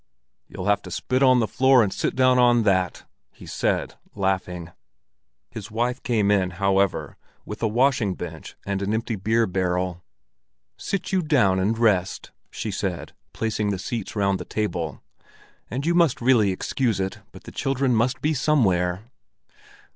"You'll have to spit on the floor and sit down on that," he said, laughing. His wife came in, however, with a washing bench and an empty beer barrel. "Sit you down and rest," she said, placing the seats round the table. "And you must really excuse it, but the children must be somewhere."